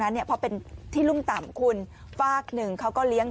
เนี่ยเพราะเป็นที่รุ่มต่ำคุณฝากหนึ่งเขาก็เลี้ยง